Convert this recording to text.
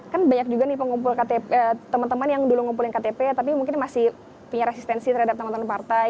kan banyak juga nih pengumpul teman teman yang dulu ngumpulin ktp tapi mungkin masih punya resistensi terhadap teman teman partai